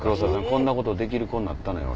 こんなことできる子になったのよ。